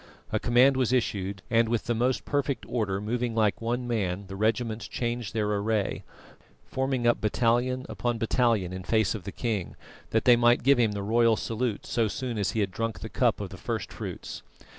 A command was issued, and, with the most perfect order, moving like one man, the regiments changed their array, forming up battalion upon battalion in face of the king, that they might give him the royal salute so soon as he had drunk the cup of the first fruits.